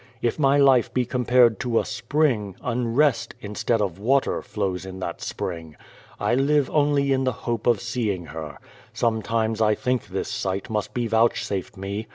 If my life be compared to a spring, un rest, instead of water, flows in that spring. I live only in <he hope of seeing her. Sometimes I think this sight must be vouchsafed me.